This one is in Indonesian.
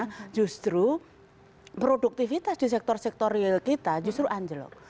karena justru produktivitas di sektor sektor real kita justru anjlok